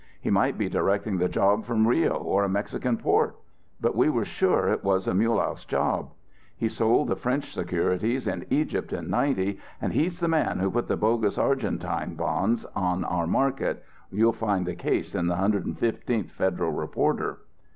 He might be directing the job from Rio or a Mexican port. But we were sure it was a Mulehaus job. He sold the French securities in Egypt in '90; and he's the man who put the bogus Argentine bonds on our market you'll find the case in the 115th Federal Reporter.